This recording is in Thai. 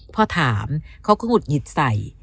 พอถามเขาก็หงุดหงิดใส่